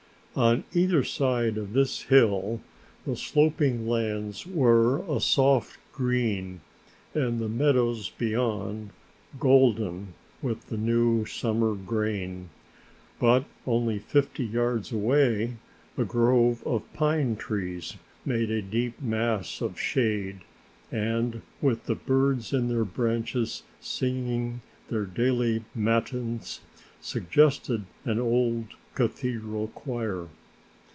On either side this hill the sloping lands were a soft green and the meadows beyond golden with the new summer grain, but only fifty yards away a grove of pine trees made a deep mass of shade, and with the birds in their branches singing their daily matins, suggested an old cathedral choir.